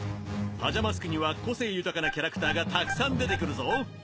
パジャマスクには個性豊かなキャラクターがたくさん出てくるぞ。